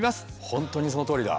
本当にそのとおりだ。